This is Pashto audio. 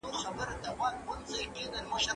زه سبزیجات جمع کړي دي!.